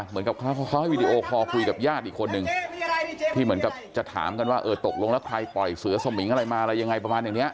เหมือนกับเขาให้วีดีโอคอลคุยกับญาติอีกคนนึงที่เหมือนกับจะถามกันว่าเออตกลงแล้วใครปล่อยเสือสมิงอะไรมาอะไรยังไงประมาณอย่างนี้